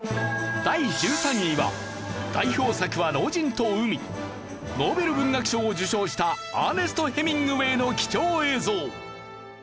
第１３位は代表作は『老人と海』ノーベル文学賞を受賞したアーネスト・ヘミングウェイの貴重映像。